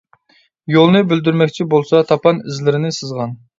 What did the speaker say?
يولنى بىلدۈرمەكچى بولسا تاپان ئىزلىرىنى سىزغان.